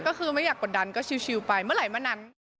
ก็คือไม่อยากกดดันก็ชิลไปเมื่อไหร่เมื่อนั้น